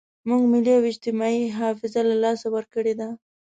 موږ ملي او اجتماعي حافظه له لاسه ورکړې ده.